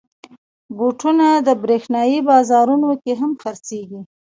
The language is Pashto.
بوټونه د برېښنايي بازارونو کې هم خرڅېږي.